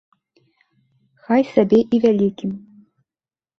Хай сабе і вялікім.